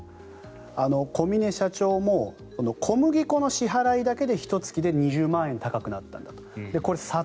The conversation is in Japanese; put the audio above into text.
小嶺社長も小麦の支払いだけでひと月で２０万円高くなったんだと。